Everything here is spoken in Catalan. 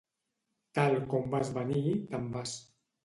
Tal com vas venir, te'n vas.